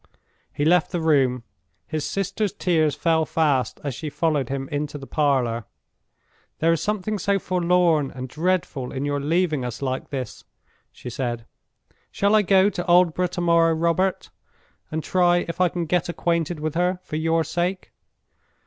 He left the room. His sister's tears fell fast as she followed him into the parlor. "There is something so forlorn and dreadful in your leaving us like this," she said. "Shall I go to Aldborough to morrow, Robert, and try if I can get acquainted with her for your sake?"